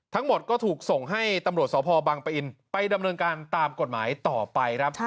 ทั้งหมดก็ถูกส่งให้ตำรวจสพบังปะอินไปดำเนินการตามกฎหมายต่อไปครับ